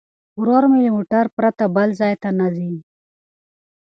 ورور مې له موټر پرته بل ځای ته نه ځي.